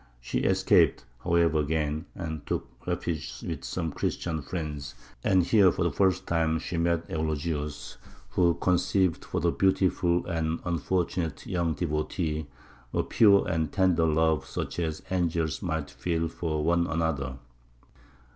She escaped, however, again, and took refuge with some Christian friends, and here for the first time she met Eulogius, who conceived for the beautiful and unfortunate young devotee a pure and tender love such as angels might feel for one another.